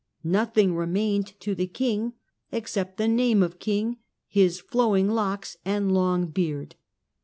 Nothing remained to the king except the name of king, his flowing locks and long beard.